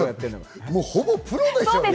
ほぼプロでしょ。